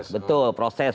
sudah ada proses